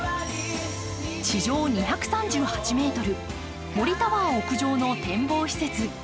地上２３８ｍ、森タワー屋上の展望施設。